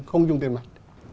không dùng tiền mặt